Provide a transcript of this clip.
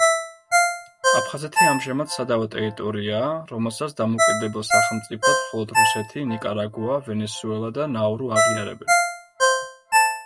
აფხაზეთი ამჟამად სადავო ტერიტორიაა, რომელსაც დამოუკიდებელ სახელმწიფოდ მხოლოდ რუსეთი, ნიკარაგუა, ვენესუელა და ნაურუ აღიარებენ.